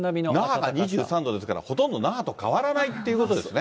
那覇が２３度ですから、ほとんど那覇と変わらないということですね。